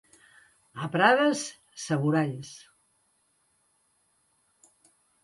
A Prades, saboralls.